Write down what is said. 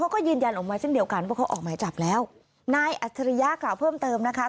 ก็ยืนยันออกมาเท่ากันว่าเขาออกมาจับแล้วนายอัสริยากล่าวเพิ่มเติมนะคะ